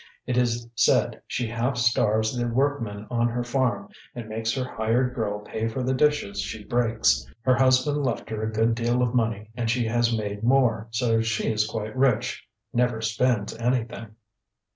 It is said she half starves the workmen on her farm and makes her hired girl pay for the dishes she breaks. Her husband left her a good deal of money, and she has made more, so she is quite rich. Never spends anything.